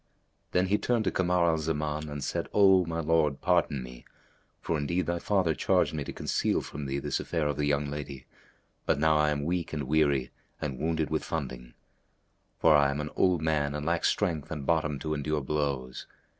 Then he turned to Kamar al Zaman and said, "O my lord, pardon me; for indeed thy father charged me to conceal from thee this affair of the young lady; but now I am weak and weary and wounded with funding; for I am an old man and lack strength and bottom to endure blows.